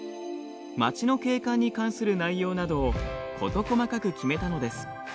町の景観に関する内容などを事細かく決めたのです。